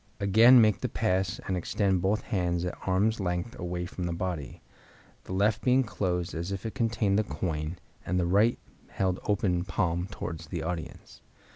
Again make the pass and extend both hands at arm's length away from the body, the left being closed as if it contained the coin, and the right held open palm towards the audience.